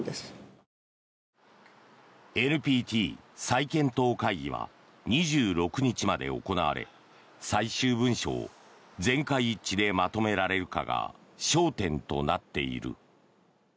ＮＰＴ再検討会議は２６日まで行われ最終文書を全会一致でまとめられるかが焦点となっている。